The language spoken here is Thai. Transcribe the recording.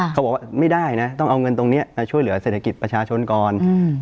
เขาบอกว่าไม่ได้นะต้องเอาเงินตรงนี้มาช่วยเหลือเศรษฐกิจประชาชนก่อน